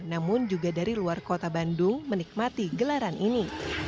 namun juga dari luar kota bandung menikmati gelaran ini